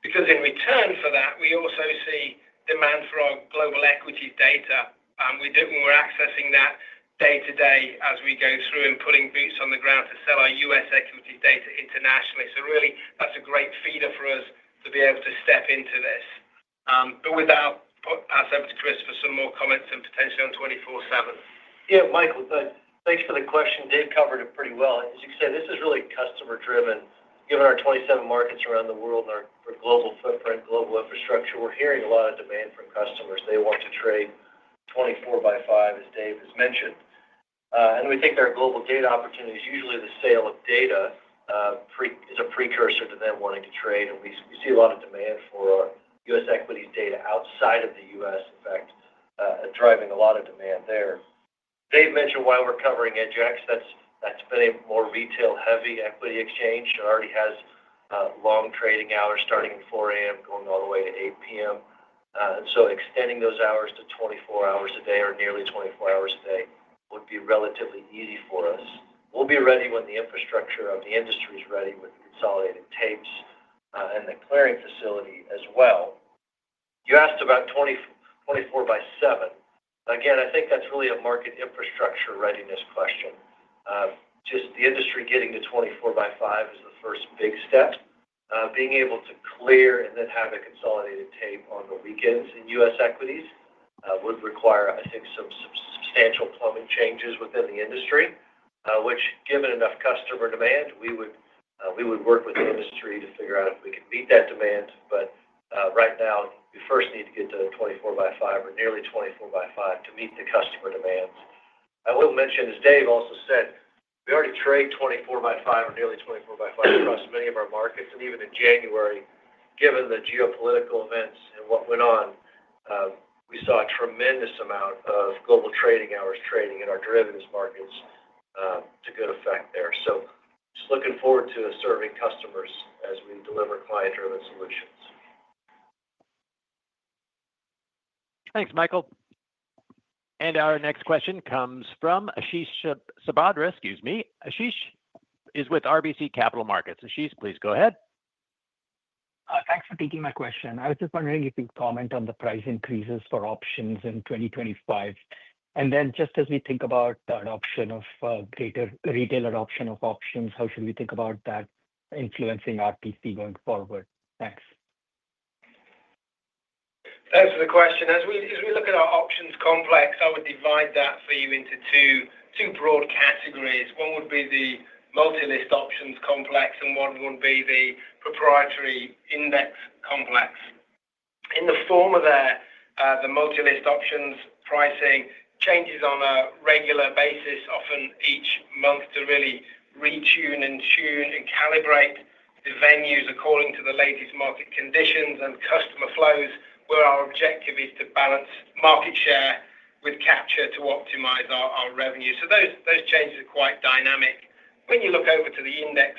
Because in return for that, we also see demand for our global equity data. We're accessing that day to day as we go through and putting boots on the ground to sell our U.S. equity data internationally. So really, that's a great feeder for us to be able to step into this. But with that, I'll put ourselves to Chris for some more comments and potentially on 24/7. Yeah, Michael, thanks for the question. Dave covered it pretty well. As you can see, this is really customer-driven. Given our 27 markets around the world and our global footprint, global infrastructure, we're hearing a lot of demand from customers. They want to trade 24x5, as Dave has mentioned. And we think our global data opportunities, usually the sale of data, is a precursor to them wanting to trade. And we see a lot of demand for our U.S. equities data outside of the U.S., in fact, driving a lot of demand there. Dave mentioned while we're covering EDGX, that's been a more retail-heavy equity exchange that already has long trading hours starting at 4:00 A.M., going all the way to 8:00 P.M., and so extending those hours to 24 hours a day or nearly 24 hours a day would be relatively easy for us. We'll be ready when the infrastructure of the industry is ready with the consolidated tapes and the clearing facility as well. You asked about 24x7. Again, I think that's really a market infrastructure readiness question. Just the industry getting to 24x5 is the first big step. Being able to clear and then have a consolidated tape on the weekends in U.S. equities would require, I think, some substantial plumbing changes within the industry, which, given enough customer demand, we would work with the industry to figure out if we could meet that demand. But right now, we first need to get to 24x5 or nearly 24x5 to meet the customer demands. I will mention, as Dave also said, we already trade 24x5 or nearly 24x5 across many of our markets. And even in January, given the geopolitical events and what went on, we saw a tremendous amount of global trading hours trading in our derivatives markets to good effect there. So just looking forward to serving customers as we deliver client-driven solutions. Thanks, Michael. And our next question comes from Ashish Sabadra. Excuse me. Ashish is with RBC Capital Markets. Ashish, please go ahead. Thanks for taking my question. I was just wondering if you could comment on the price increases for options in 2025. And then just as we think about the adoption of greater retail adoption of options, how should we think about that influencing RPC going forward? Thanks. Thanks for the question. As we look at our options complex, I would divide that for you into two broad categories. One would be the multi-listed options complex, and one would be the proprietary index complex. In terms of the multi-listed options pricing, changes on a regular basis, often each month, to really retune and calibrate the venues according to the latest market conditions and customer flows, where our objective is to balance market share with capture to optimize our revenue. So those changes are quite dynamic. When you look over to the index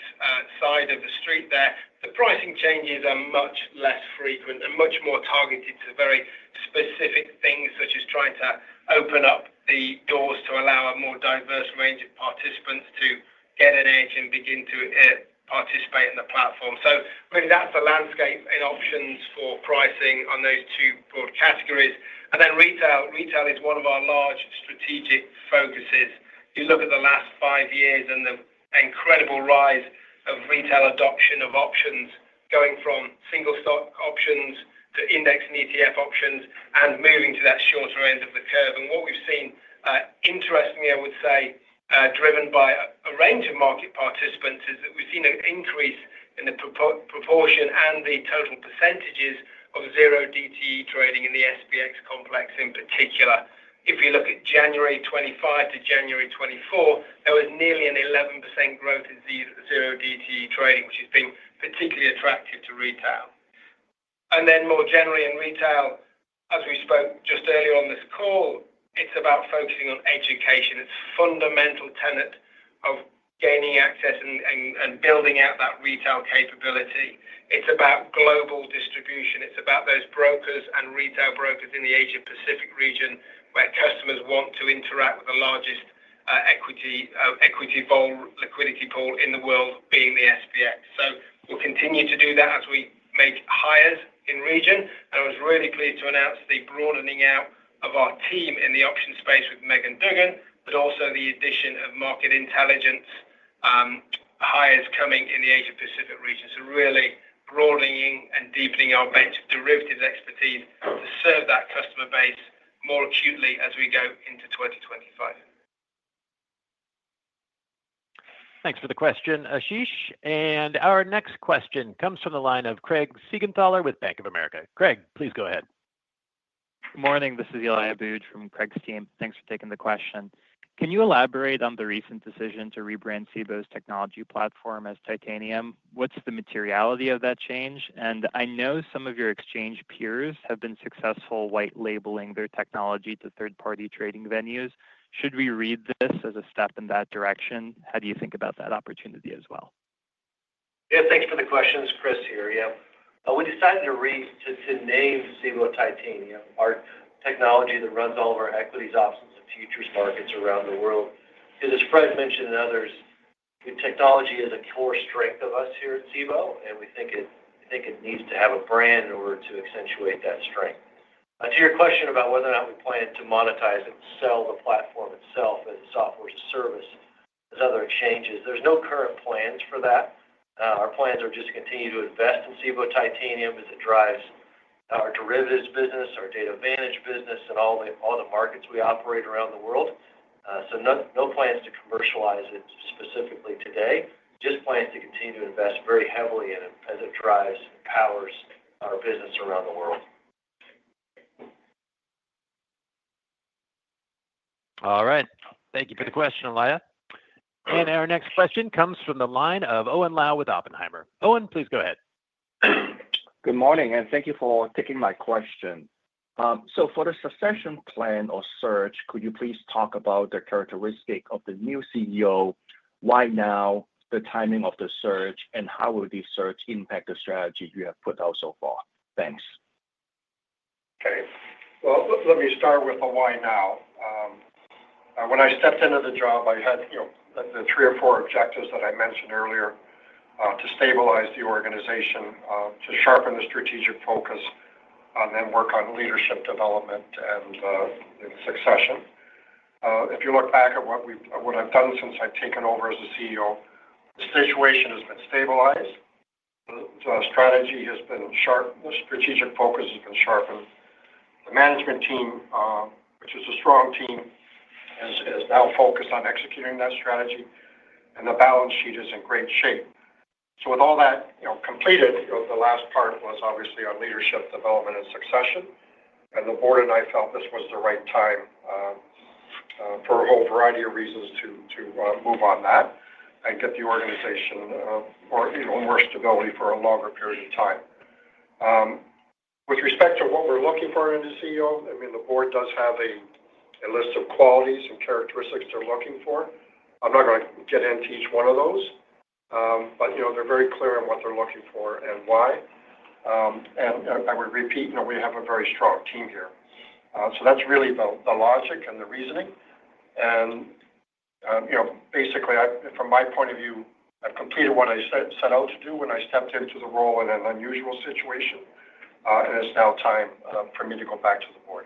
side of the street there, the pricing changes are much less frequent and much more targeted to very specific things such as trying to open up the doors to allow a more diverse range of participants to get an edge and begin to participate in the platform. So really, that's the landscape in options for pricing on those two broad categories. And then retail is one of our large strategic focuses. You look at the last five years and the incredible rise of retail adoption of options going from single stock options to index and ETF options and moving to that shorter end of the curve. And what we've seen, interestingly, I would say, driven by a range of market participants, is that we've seen an increase in the proportion and the total percentages of zero DTE trading in the SPX complex in particular. If you look at January 2025 to January 2024, there was nearly an 11% growth in zero DTE trading, which has been particularly attractive to retail. And then more generally in retail, as we spoke just earlier on this call, it's about focusing on education. It's a fundamental tenet of gaining access and building out that retail capability. It's about global distribution. It's about those brokers and retail brokers in the Asia-Pacific region where customers want to interact with the largest equity liquidity pool in the world, being the BZX. So we'll continue to do that as we make hires in region. And I was really pleased to announce the broadening out of our team in the option space with Meaghan Dugan, but also the addition of market intelligence hires coming in the Asia-Pacific region. So really broadening and deepening our bench of derivatives expertise to serve that customer base more acutely as we go into 2025. Thanks for the question, Ashish. Our next question comes from the line of Craig Siegenthaler with Bank of America. Craig, please go ahead. Good morning. This is Eli Abboud from Craig's team. Thanks for taking the question. Can you elaborate on the recent decision to rebrand Cboe's technology platform as Titanium? What's the materiality of that change? And I know some of your exchange peers have been successful white labeling their technology to third-party trading venues. Should we read this as a step in that direction? How do you think about that opportunity as well? Yeah, thanks for the questions. Chris here, yeah. We decided to name Cboe Titanium, our technology that runs all of our equities, options, and futures markets around the world. As Fred mentioned and others, technology is a core strength of us here at Cboe, and we think it needs to have a brand in order to accentuate that strength. To your question about whether or not we plan to monetize and sell the platform itself as a software as a service, there's other changes. There's no current plans for that. Our plans are just to continue to invest in Cboe Titanium as it drives our derivatives business, our Data Vantage business, and all the markets we operate around the world. So no plans to commercialize it specifically today. Just plans to continue to invest very heavily in it as it drives and powers our business around the world. All right. Thank you for the question, Eli, and our next question comes from the line of Owen Lau with Oppenheimer. Owen, please go ahead. Good morning, and thank you for taking my question. So for the succession plan or search, could you please talk about the characteristic of the new CEO, why now, the timing of the search, and how will this search impact the strategy you have put out so far? Thanks. Okay. Let me start with the why now. When I stepped into the job, I had the three or four objectives that I mentioned earlier to stabilize the organization, to sharpen the strategic focus, and then work on leadership development and succession. If you look back at what I've done since I've taken over as the CEO, the situation has been stabilized. The strategy has been sharpened. The strategic focus has been sharpened. The management team, which is a strong team, is now focused on executing that strategy. The balance sheet is in great shape. With all that completed, the last part was obviously our leadership development and succession. The board and I felt this was the right time for a whole variety of reasons to move on that and get the organization more stability for a longer period of time. With respect to what we're looking for in a CEO, I mean, the board does have a list of qualities and characteristics they're looking for. I'm not going to get into each one of those, but they're very clear on what they're looking for and why. And I would repeat, we have a very strong team here. So that's really the logic and the reasoning. And basically, from my point of view, I've completed what I set out to do when I stepped into the role in an unusual situation. And it's now time for me to go back to the board.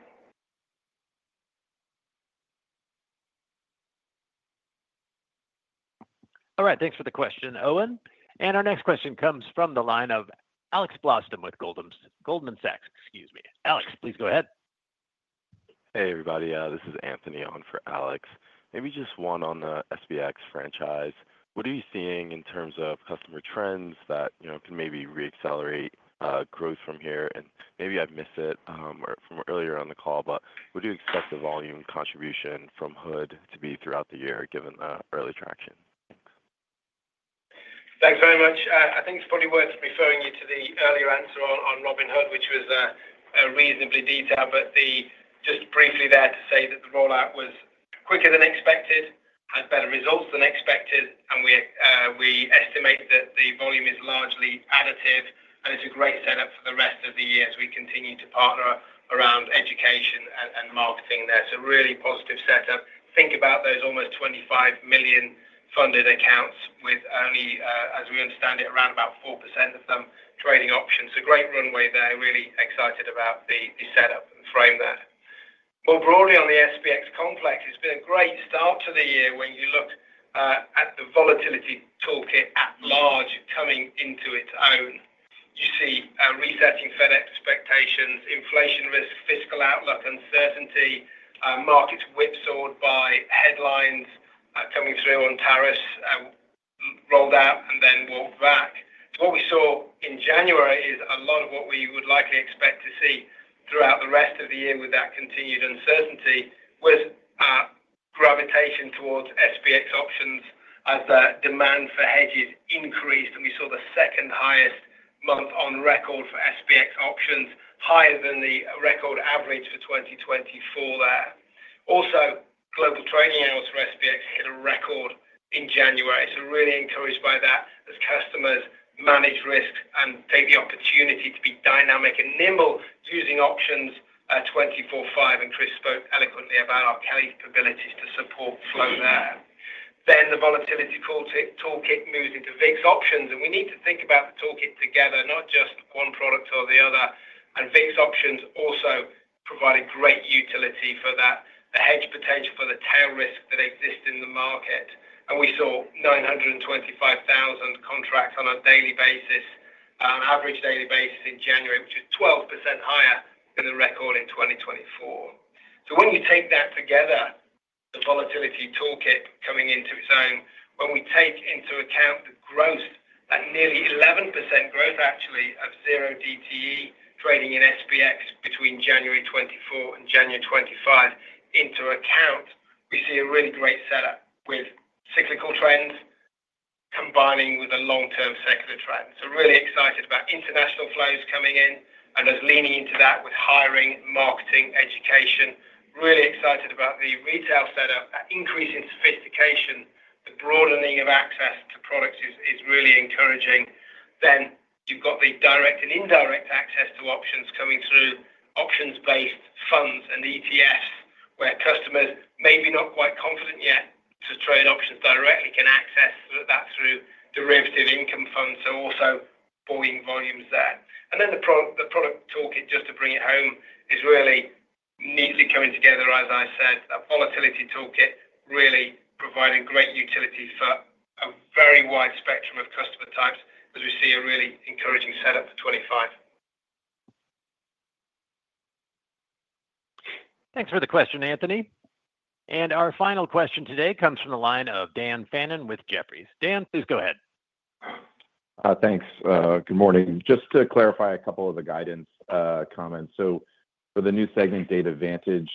All right. Thanks for the question, Owen. And our next question comes from the line of Alex Blostein with Goldman Sachs. Excuse me. Alex, please go ahead. Hey, everybody. This is Anthony Hau for Alex. Maybe just one on the SPX franchise. What are you seeing in terms of customer trends that can maybe re-accelerate growth from here? And maybe I've missed it from earlier on the call, but would you expect the volume contribution from HOOD to be throughout the year given the early traction? Thanks. Thanks very much. I think it's probably worth referring you to the earlier answer on Robinhood, which was reasonably detailed, but just briefly there to say that the rollout was quicker than expected, had better results than expected, and we estimate that the volume is largely additive. It's a great setup for the rest of the year as we continue to partner around education and marketing there. So really positive setup. Think about those almost 25 million funded accounts with only, as we understand it, around about 4% of them trading options. So great runway there. Really excited about the setup and frame there. More broadly on the SPX complex, it's been a great start to the year when you look at the volatility toolkit at large coming into its own. You see resetting Fed expectations, inflation risk, fiscal outlook, uncertainty. Markets whipsawed by headlines coming through on tariffs rolled out and then rolled back. What we saw in January is a lot of what we would likely expect to see throughout the rest of the year with that continued uncertainty was gravitation towards SPX options as the demand for hedges increased. We saw the second highest month on record for SPX options, higher than the record average for 2024 there. Also, global trading hours for SPX options hit a record in January. Really encouraged by that as customers manage risk and take the opportunity to be dynamic and nimble using options 24/5. Chris spoke eloquently about our capabilities to support flow there. The volatility toolkit moves into VIX options. We need to think about the toolkit together, not just one product or the other. VIX options also provide a great utility for the hedge potential for the tail risk that exists in the market. We saw 925,000 contracts on a daily basis, average daily basis in January, which is 12% higher than the record in 2024. When you take that together, the volatility toolkit coming into its own, when we take into account the growth, that nearly 11% growth actually of zero DTE trading in SPX between January 2024 and January 2025 into account, we see a really great setup with cyclical trends combining with a long-term secular trend. Really excited about international flows coming in and us leaning into that with hiring, marketing, education. Really excited about the retail setup, that increase in sophistication, the broadening of access to products is really encouraging. Then you've got the direct and indirect access to options coming through options-based funds and ETFs, where customers may be not quite confident yet to trade options directly, can access that through derivative income funds. So also onboarding volumes there. And then the product toolkit, just to bring it home, is really neatly coming together, as I said, that volatility toolkit really providing great utilities for a very wide spectrum of customer types as we see a really encouraging setup for 2025. Thanks for the question, Anthony. And our final question today comes from the line of Dan Fannon with Jefferies. Dan, please go ahead. Thanks. Good morning. Just to clarify a couple of the guidance comments. So for the new segment, Data Vantage,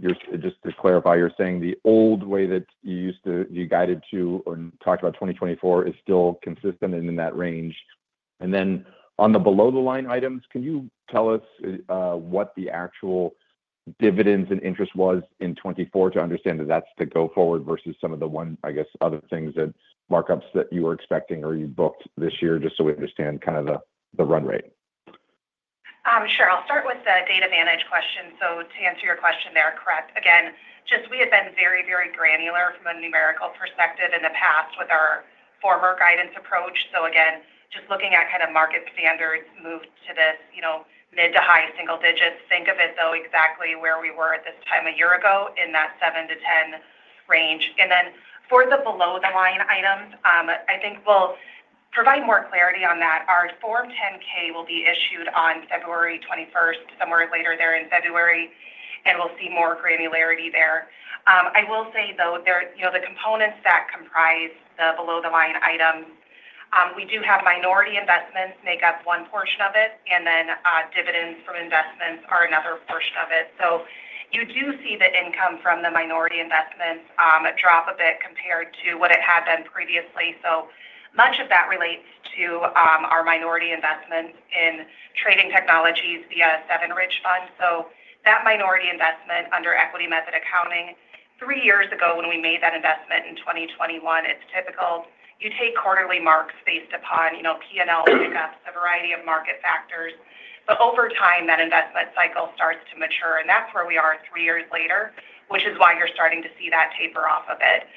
just to clarify, you're saying the old way that you used to be guided to or talked about 2024 is still consistent and in that range. And then on the below-the-line items, can you tell us what the actual dividends and interest was in 24 to understand that that's the go-forward versus some of the one, I guess, other things that markups that you were expecting or you booked this year just so we understand kind of the run rate? Sure. I'll start with the Data Vantage question. So to answer your question there, correct. Again, just we have been very, very granular from a numerical perspective in the past with our former guidance approach. So again, just looking at kind of market standards moved to this mid- to high-single digits. Think of it though exactly where we were at this time a year ago in that 7-10 range. And then for the below-the-line items, I think we'll provide more clarity on that. Our Form 10-K will be issued on February 21st, somewhere later there in February, and we'll see more granularity there. I will say though, the components that comprise the below-the-line items, we do have minority investments make up one portion of it, and then dividends from investments are another portion of it. So you do see the income from the minority investments drop a bit compared to what it had been previously. So much of that relates to our minority investments in Trading Technologies via 7RIDGE Fund. So that minority investment under equity method accounting, three years ago when we made that investment in 2021, it's typical. You take quarterly marks based upon P&L pickups, a variety of market factors. But over time, that investment cycle starts to mature. And that's where we are three years later, which is why you're starting to see that taper off a bit.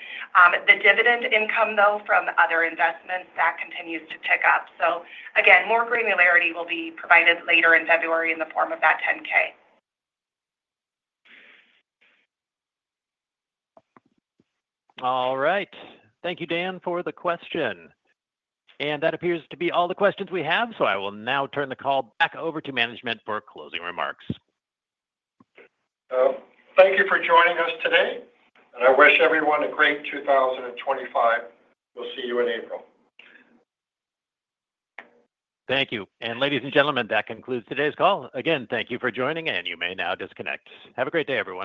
The dividend income though from other investments, that continues to tick up. So again, more granularity will be provided later in February in the form of that 10-K. All right. Thank you, Dan, for the question. And that appears to be all the questions we have. So I will now turn the call back over to management for closing remarks. Thank you for joining us today. And I wish everyone a great 2025. We'll see you in April. Thank you. And ladies and gentlemen, that concludes today's call. Again, thank you for joining, and you may now disconnect. Have a great day everyone.